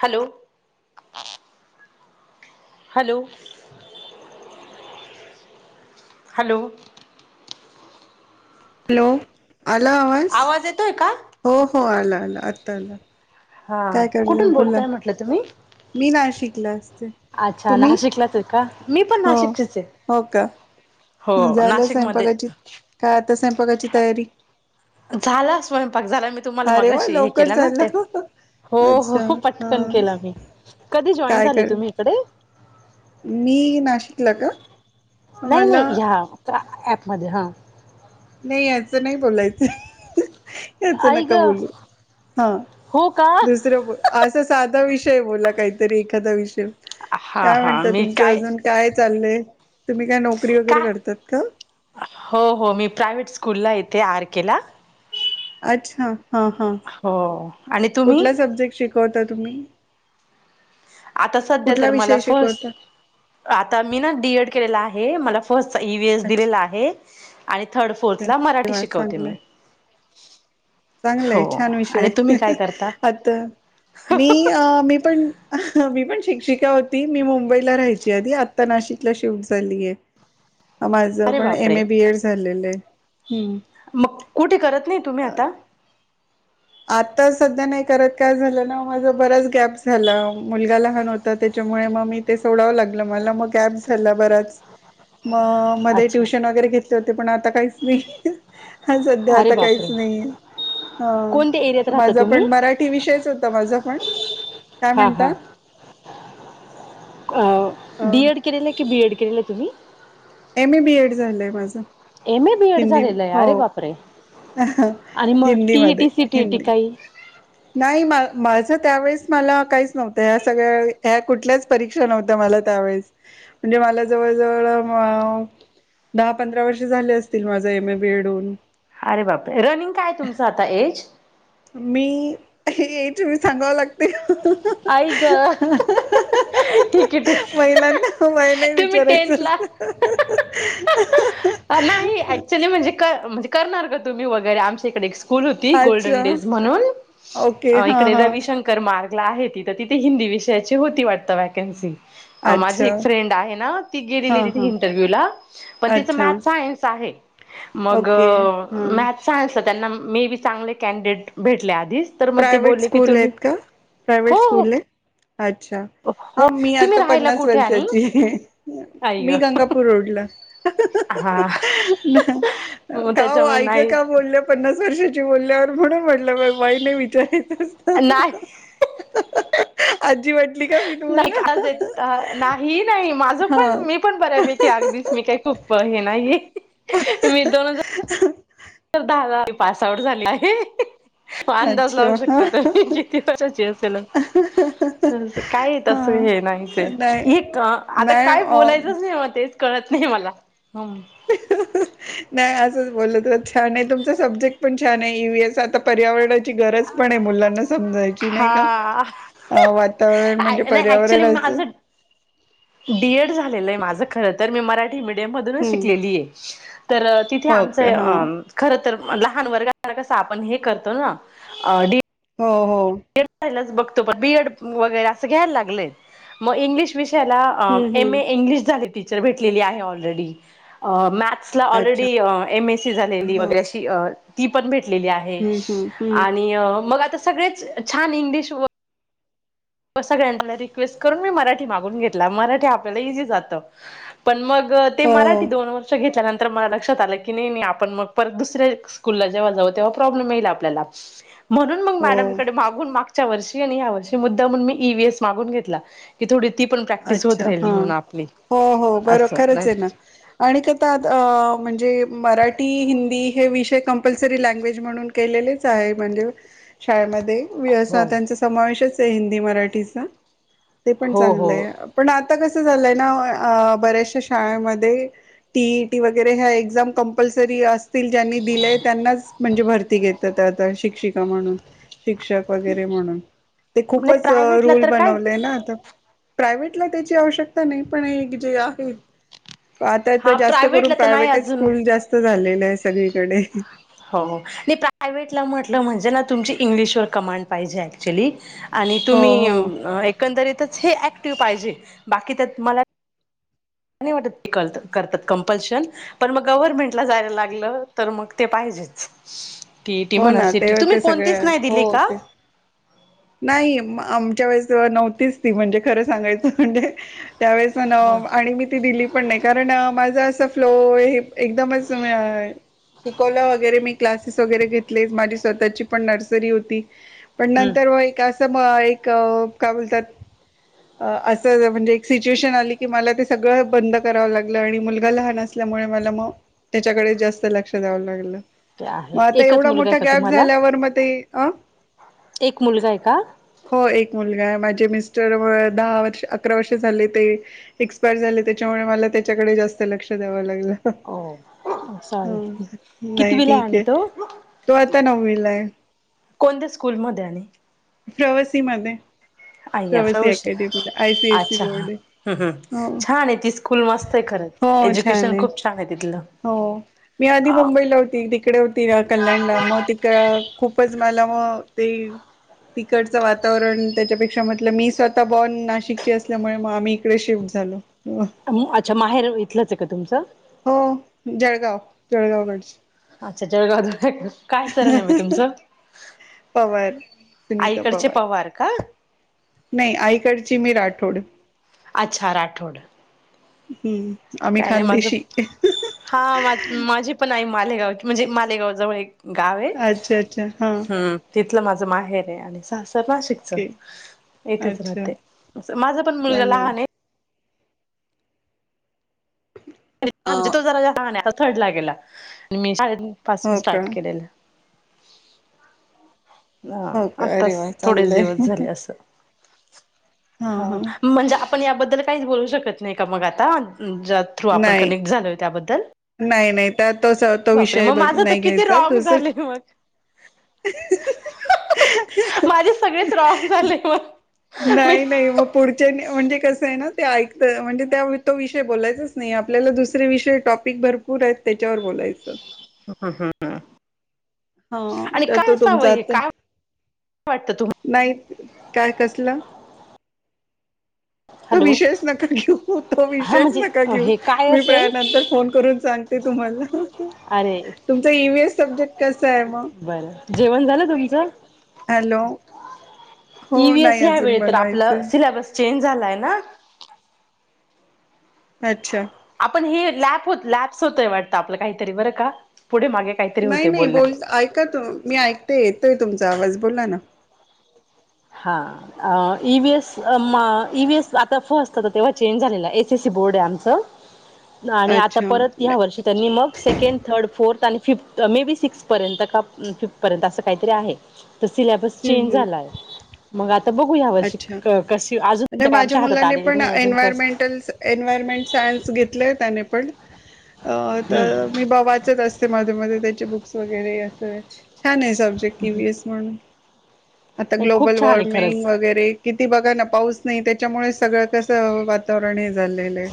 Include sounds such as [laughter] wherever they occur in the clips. Hello hello hello hello आला आवाज येतोय का? हो हो आला आता हा कुठून बोलताय म्हंटलं तुम्ही क्लास अच्छा नाशिकलाच का मी पण हो नाशिकचीच आहे. हो का हो झालंय नाशिकमध्ये कचित का आता पघाची तयारी झाला स्वयंपाक झाला मी तुम्हाला अरे वा मागशी हे लवकर केला ना झालं ते, हो अच्छा हो हा पटकन केलं मी कधी जॉईन काय झाले कर तुम्ही इकडे मी नाशिकला का नाही मला नाही ह्या तर ॲपमध्येे हां नाही याचं नाही बोलायचं याच आई नका ग बोलू हा हो का? दुसरं बोल असं साध एा विषय बोला काहीतरी एखादा विषय हा काय हा म्हणत मी तुमचं काय अजून काय चालय तुम्ही काय नोकरी वगैरे काय करतात का प्रावेट स्कूलला इथे आर. केे ला अच्छा हा हा हो आणि तुम्ही कवता तुम्ही आता सध्या कुठला तर मला विषय फर्स्ट, शिकवता आता मी ना डीएड केलेला आहे हे मला फ ई व एस दिलेला आहे आणि थर्ड अ फोर्थला मराठी तेव्हा शिकवते मी चांगलंय हो चांगलंय छान विषय आणि तुम्ही काय करता आता मी अ मी पण मी पण शिक्षिका होती मी मुंबईला राहायची आधी आता नाशिकला शिफ्ट झाली आहे माझं अरे पण एम बापरे ए बी एड झालेलं आहे हम्म मग कुठे करत नाही तुम्ही आता आता सध्या नाही करत काय झालं ना माझ बराच गॅप झाला मुलगा लहान होता त्याच्यामुळे मग मी ते सोडावं लागलं मला मग गॅप झाला बराच मग मध्ये अच्छा ट्युशन वगैरे घेत पण आता काहीच नाही हा सध्या अरे आता काहीच नाही हा रा माझा पण मराठी विषयच होता माझा पण काय म्हणता त्डी के केलेला तुम्ही एम ए बीएड झालंय माझं एम ए बीएड हिंदी झालेलं आहे हो अरे बाप रे आणि मग हिंदीमध्ये टीईटी सीटीईटी हिंदी काही नाही माझ त्यावेेळेस मला काहीच नव्हतं ह्या सगळ्या ह्या कुठल्याच परीक्षा नव्हत्या मला त्यावेेळेस म्हणजे मला जवळ जवळ दहा पंधरा वर्ष झाले असतील माझ एम ए बीएडहून अरे बाप रे रनिंग काय तुमचं आता एज मी हे तुम्ही सांगावं लागत आई ग ठिक आहे ठिक महिलांना वय नाही तुम्ही विचारायचं टेंथला असत नाही ऍक्च्युली म्हणजे का म्हणजे करणार का तुम्ही वगैरे आमच्या इकडे स्कूल होती गोल्डन अच्छा डेज म्हणून ओके हा इकडे हा रविशंकर मार्ग. आहे तिथं तिथे हिंदी विषयाची होती वाटत वॅकन्सी. माझी अच्छा एक फ्रेंड आहे ना ती गेलेली हा तिथे हा इंटरव्ह्यू ला पण तिचं अच्छा मॅथ सायन्स आहे. मग ओके हा मॅथ सांयन्स त्यांना मे बी चांगले कॅनडिडेट भेटले आधीच तर मग ते प्रायव्हेट बोलले की स्कूल तुम्ही आहेत का? प्रायवेट हो हो स्कूलने अच्छा हो हा मी तुम्ही आता राहायला पन्नास कुठे आणि वर्षाची आई ग मी गंगापूर रोडला हा मग का ओ त्याच्यामुळे ऐक नाही का बोलले पन्नास वर्षाची बोलल्यावर. म्हणून म्हणलं. नाही विचार नाही [unintelligible] आजी वाट नाही का आज येत? नाही नाही. माझ हा पण मी पण बऱ्यापैकी अगदीच मी काही खूप हे नाही. मी दोन हजा तर दहा दहा पास आउट झाले आहे. अंदाज लावू अच्छा शकता तु किती वर्षाची असेल तस काय हा तस हे नाही नाहीच एक आता काय नाही बोलायचंच नाही म तेच. कळत नाही मला. हम नाही अजून. बोलत छान आहे तुमचा सब्जेक्ट पण छान आहे यस आता पर्यावरण. गरज पण आहे मुलांना समजवायची नाही का? हा वातावरण म्हणजे नाही ऍक्च्युली पर्यावरणाचं माझं मिी [unintelligible] मधूनच हम्म. शिकलेलीये. तर तिथे हो का हां आमचं खर तर लहान वर्ग कसं आपण हे करतो ना. अ डी हो. हो. एडलाच बघतो बीएड वगैरे असं घ्यायला लागलंय मग इंग्लिश विष त्याला अ हम्म एम हम्म. ए इंग्लिश‌ झालं की. सर भेटलेली आहे ऑलरेडी अ मॅथ सला अच्छा ऑलरेडी एम एस सी झालेली हां वगैरे अ शी. ती पण भेट? घेतलेले आहे हम्म हम्म हम्म आणि मग आता सगळेच. छान हिंदी शोभा. सगळ्यांला रिक्वेस्ट करून मी मराठी मागून घेतला मराठी आपल्याला इझी जातं पण मग ते हो मराठी दोन वर्ष घेतल्यानंतर. तर मला लक्षात आलं की नाही. आपण मग पर दुसऱ्या स्कूल जेव्हा जाऊ तेव्हा. प्रॉब्लेम येईल. आपल्याला! म्हणून मग हो मॅडमकडे मागून मागता‌. च्यार्षी आणि ह्या वर्षी मुद्? मी ईएस मागून घेतला क थडी अच्छा हा हो हो बरो असं खरंच नाही आहे ना आणि काता म्हणजे? मराठी मराठी हिंदी हे विषय कंपल्सरी लँग्वेज म्हणून केलेलेच आहे म्हणजे शाळेमध्ये. वी अस हो त्यांचा समावेशच. हिंदी मराठीचा‌ ते. ते पण हो हो चांगलंय. आता कसं झालंय ना बऱ्याचशा शाळमध्ये टीईटी वगैरे ह्या एक्झाम कंपल्सरी अस. ज्यांनी दिलेय त्यांनाच म्हणजे. भरती घेतता शिक्. का म्हणून शिक्षक वगैरे म्हणून. ते नाही खूपच प्रायव्हेटला रूल तर काय बनवलेय ना आता. प्रायव्हेटला त्याची आवश्यकता नाही पण एक जे आहे. आता तर हा जास्त करून प्रायव्हेटला तर नाही प्रायव्हेटच अजून स्कूल जास्त झालेल. सगळीकडे. हो प्रायव्टला म्हट म्हणजे ना तुमची इंग्लिशवर कमांड पाहिजे ऍक्च्युली आणि हो हो तुम्ही एकंदरीतच हे ऍक् पाहिजे बाकी तर मला म नाही वाटत ते करतात कंपल्शन पण मग गव्हर्मेंटला जायला लागलं तर मग ते पाहिजेच. तेटी हो म्हणा ना सटी ते तुम्ही ते सगळे कोणतीच नाही दिली हो का? ते नाही आमच्या वेळेस नव्हतीच ती म्हणजे खरं सांगायचं म्हणजे त्यावेळेस हो आणि मी ती दिली पण नाही कारण माझं असं. फ्लोय. एकदमचमय आहे. शिकवलं वगैरे मी क्लासेस वगैरे घेतले माझी स्वतःची पण नर्सरी होती. पण. हम्म व एक. अस म एक काय बोलतात असं म्हणजे एक सिच्युएशन आली की मला ते सगळं बंद करावं लागलं आणि मुलगा लहान असल्यामुळे मला मग त्याच्याकडे जास्त लक्ष द्यावं लागलं. ते मग आहे आता एकच एवढा मुलगा आहे मोठा का गॅप तुम्हाला झाल्यावर मग ते अ एक मुलगा आहे का हो एक मुलगा माझे मिस्टर दहा अकरा वर्ष झाले ते एक्सपायर झाले त्याच्यामुळे मला त्याच्याकडे जास्त लक्ष द्याव लागलं ओ सॉरी नाही कितवीला ठीक आणि आहे तो तो आता नवमीलाय कोणत्या स्कूलमध्येध्ये आणि प्रवासी म आई अफा प्रवासी हुशार अकॅडमीला आयसीएससी अच्छा हा बोर्ड हम् हम् आहे छान आहे ती स्कूल मस्त आहे खरंच हो छान एज्युकेशन आहे खूप छान तिथलं हो मी आधी मुंबईला होती तिकडे होती कल्याणला मग तिक खूपच म ते तडच वातावरण त्याच्या क्ष म्हटलं मी स्वतः बॉर्न नाशिकची असल्यामुळे मग आम्ही इकडे शिफ्ट झालो अच्छा माहेर इथलंच आहे का तुमचं हो जळगाव जळगावकडच अच्छा जळग काय सर नम आहे तुमचं पवार सुनीता आईकडचे पवार का नाही आईकडची मी राठोड अच्छा राठोड हम्म आम्ही काय नाही माझ खानदेशी हा माझी पण आ मालेगाव म्हणजे मालेगावजवळ एक गावे अच्छा अच्छा हा हम्म तिथ लं माझं माहेर आहे आणि स नाशिकच ओके येथेच अच्छा राहते माझा पण मुलगा चांगलं लहान आहे अ ज तो जरा जहाान थर्ड ला गेलाी हो पासून का स्टार्ट केलेलं ह हो का अरे आत्ताच वा थोडेच चांगलंय दिवस झाले हा असं हो हा म्हणजे आपण याबद्दल काहीच बोलू शकत नाही का मग आता ज्या थ्रू आपण नाही कनेक्ट झालोय त्याबद्दल नाही नाही त्या तो तो बापरे विषय मग ब माझं तर नाही किती घ्यायचा रॉंग तु झाले मग. माझे सगळेच रॉंग झाले मग. मी नाही नाही मग पुढच्या नाही म्हणजे कसं आहे ना ते ऐकत म्हणजे त्या तो विषय बोलायचच नाही आपल्याला दुसरे विषय टॉपिक भरपूर आहेत त्याच्यावर बोलायचं हम् हम हम हा तर तो तुमचा आता काय वाटतं तुम नाही काय कसलं तो हॅलो विषयच नका घेऊ तो हा विषयच म्हणजे नका घेऊ हे काय मी असेल प्रयानंतर फोन करून सांगते तुम्हाला अरे तुमचा ईव्हीएस सब्जेक्ट कसा आहे मग बर जेवण झालं तुमचं हॅलो हो वएस नाही या अजून वळी तर बनवायचे आपलं सिलेबस चेंज झालाय ना अच्छा आपण हे लॅप होत लॅप्स होतय वाटत आपलं काहीतरी बरं का पुढे मागे काहीतरी नाही होते नाही बोलण्यात बोल ऐका त मी ऐकते येतय तुमच आवाज बोला ना हा ईएस ईएस आता फस्ट तेव्हा चेंज झालेला एस एससी बोर्ड आहे आमचं आणि आता अच्छा परत हम्म या्या वर्षी त्यांनी मग सेकंड थर्ड फोर्थ आणि फिफ्थ मे बी सिक्स्थपर्यंत का फिफ्थपर्यंत असं काहीतरी आहे तर सिलेबस चेंज हम्म झालाय मंगा अच्छा तर काय माझ्या आमच्या हातात मुलाने आलेली पण नाही अजून फर्स्ट एन्वयरमेंटल एन्वयरमेंट सायन्स घेतलेय त्याने पण अ हम्म तर मी वाचत असते मध्ये मध्ये त्याची बुक वगैरे अस छान आहे सबजेक्ट क वीएस म्हणून आता नाही ग्लोबल खूप छान आहे वॉर्मिंग खरंच वैर किती बघा ना पाऊस नाही त्याच्यामुळे सगळं कसं वातावरण हे झालेलं आहे.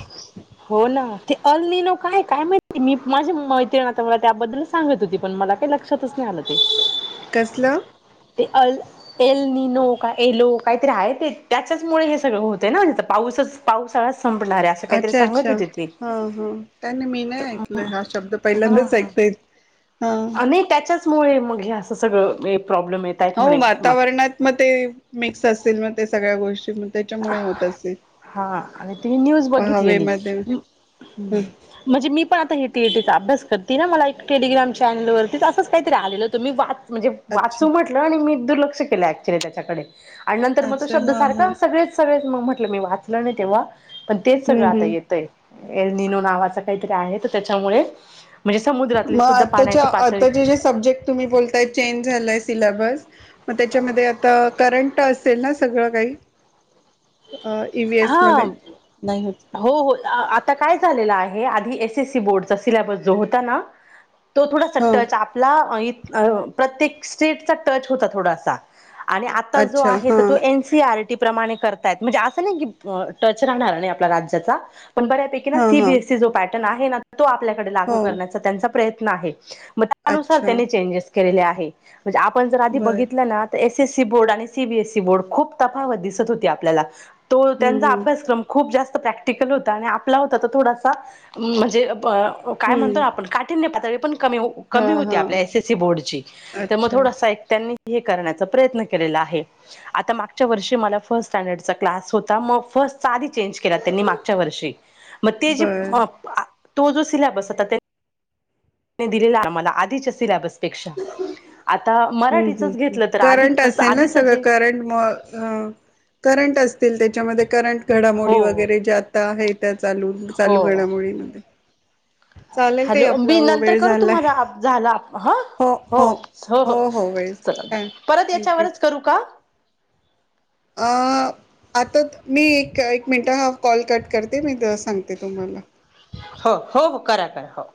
हो ना ते अलनीनो काय काय माहीत मी माझी मैत्रिण आता मला त्याबद्दलच सांगत होती पण मला काही लक्षातच नाही आलं ते. कसलं ते अल एल नी नो का एलो काहीतरी आहे ते त्याच्याचमुळे हे सगळं होतं ना पाऊसच पावसाळा संणार आहे अस काही तरी अच्छा हा अच्छा हा नाही नाही मी नाही तर ऐकलंय हा शब्द हा पहिल्यांदाच ऐकतेय हा. की असं सगळं हे हो वातावरणात म ते मिक्स असेल मग ते सगळ्या गोष्ट हा आणि ती न्यूज बघितलेली हवेमध्ये हं. म्हणजे मी मी पण आता ही टीईटीचा अभ्यास करते ना मला एक टेलिग्राम चॅनेलवरतीच असंच काहीतरी आलेलं होतं मी वाच म्हणजे अच्छा वाचू म्हटलं आणि मी दुर्लक्ष केलं ऍक्च्युली त्याच्याकडे. आणि नंतर मग तो अच्छा शब्द हा हा सारखा सगळेत मग म्हटलं मी वाचलं नाही तेव्हा पण तेच सगळं हम्म आता हम्म येतय... एल नीनो नावाच काहीतरी आहे तर त्याच्यामुळे.... म्हणजे समुद्रातली म सुद्धा आत्ताच्या पाण्याची पातळी आताचे जे सब्जेक्ट तुम्ही बोलताय चेंज झालाय सिल्याबस... म त्याच्यामध्ये आता करंट... असेल ना सगळं काही... ईव्हीएस हा मध्ये नाही होत हो हो आता काय झालेलं आहे.... हे आधी एस एस सी बोर्ड चा सिल्याबस जो होता ना.... तो थोडा हो सक्तच आपला ऐ... अ प्रत्येक स्ट्रीटचा टच होता थोडासा.... आणि आता जो अच्छा आहे हा तर तो एन सी आर... प्रमाणे करतायेत म्हणजे आस.. नाही की अ टच राहणार नाही आपल्या राज्याचा... पण बऱ्यापैकी ना हा सी हा बी एस सी जो पॅट... टन आहे ना... तो आपल्याकडे लागू हो करण्याचा त्यांचा प्रयत्न... नाही.... म त्या नुसार अच्छा त्यांनी चेंजेस... केलेले आहे... म्हणजे आपण जर आधी बर बघितलं ना... एस एससी बोर्ड आणि सीबीएसई बोर्ड खूप तफावत दिसत होती आपल्याला... तो हम्म त्यांचा हम्म अभ्यासक्रम खूप जास्त.. प्रॅक्टिकल हो आपला होता तो थोडासा म्हणजे.... हो काय म्हणतो हम्म ना आपण काठीन्य पातळी... पण हा कमी होती एस हा एससी बोर्ड ची.. अच्छा करण्याचा प्रयत्न केलेल आहे आता मागच्या वर्षी माझा फस्ट स्टँडचा क्लास... होता मग फस्ट कधी.... चेंज केला त्यांनी मागच्या वर्षी मग ते जे.... बर तो जो सिलेबस आता ते..... दिलेला आम्हाला आधीच्या सिलेॅबस.... हम्म घेतलं तर आधी करंट कसं असे ना आधीच सगळं जे करंट करंट असतील. त्याच्यामध्ये करंट..... घडामोडी हो वगैरे आता आहेत... चालू चालू हो घडामोडा मध्ये... हॅलो मी नंतर करू झालाय तुम्हाला झालं ह हो हो हो वेळ चला काय परत थँक्यू याच्यावरच करू का अ आता मी एक एक मिनटं हा कॉल कट करते मी तर सांगते तुम्हाला हो हो हो करा करा हो..